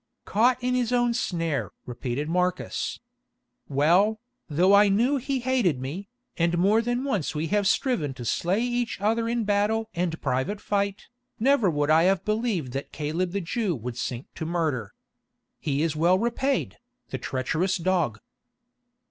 "Caught in his own snare!" repeated Marcus. "Well, though I knew he hated me, and more than once we have striven to slay each other in battle and private fight, never would I have believed that Caleb the Jew would sink to murder. He is well repaid, the treacherous dog!"